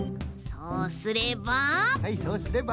そうすれば？